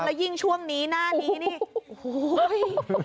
แล้วยิ่งช่วงนี้หน้านี้นี่โอ้โห